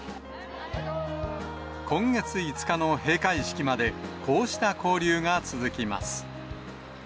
今月５日の閉会式までこうした交流が続きます。